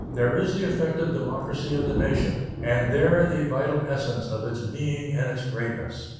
There is the effective democracy of the nation, and there the vital essence of its being and its greatness.